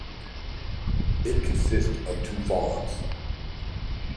It consists of two farms.